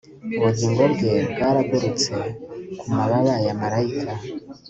ubugingo bwe bwaragurutse, ku mababa ya malayika